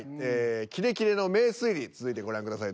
キレキレの名推理続いてご覧ください。